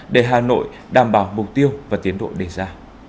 để hà nội đảm bảo mục tiêu và tiến độ đề ra